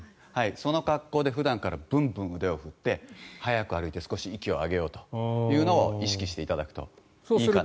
その格好で普段からブンブン腕を振って、速く歩いて少し息を上げようというのを意識していただくといいかなと。